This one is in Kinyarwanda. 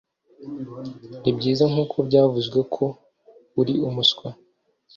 Nibyiza nkuko byavuzwe ko uri umuswa.